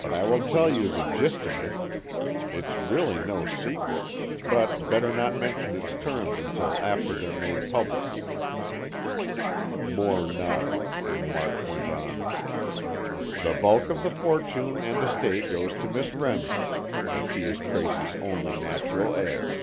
But I will tell you the gist of it. It's really no secret, but better not mention its terms until after they're made public." Moore nodded, and March went on: "The bulk of the fortune and estate goes to Miss Remsen, as she is Tracy's only natural heir.